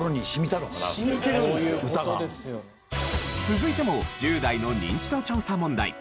続いても１０代のニンチド調査問題。